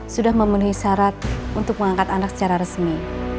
sudah memenuhi syarat untuk mengangkat anak secara resmi